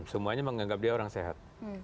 semuanya menganggap dia orang sehat